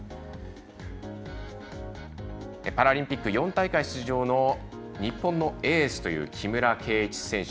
パラリンピック４大会出場の日本のエースという木村敬一選手。